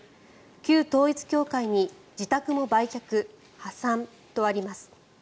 旧統一教会に自宅も売却、破産とあります。